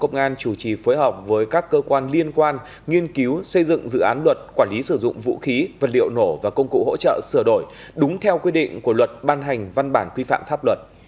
bộ công an chủ trì phối hợp với các cơ quan liên quan nghiên cứu xây dựng dự án luật quản lý sử dụng vũ khí vật liệu nổ và công cụ hỗ trợ sửa đổi đúng theo quy định của luật ban hành văn bản quy phạm pháp luật